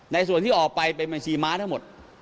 ในส่วนที่ออกไปเป็นบัญชีม้าทั้งหมด